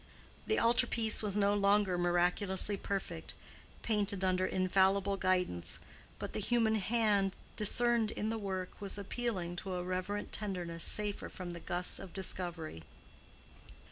The altarpiece was no longer miraculously perfect, painted under infallible guidance, but the human hand discerned in the work was appealing to a reverent tenderness safer from the gusts of discovery.